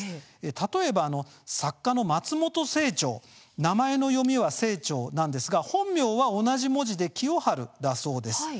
例えば作家の松本清張は名前の読みがセイチョウですが本名は同じ文字でキヨハルだそうです。